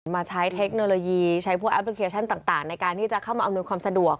มาใช้เทคโนโลยีใช้พวกแอปพลิเคชันต่างในการที่จะเข้ามาอำนวยความสะดวก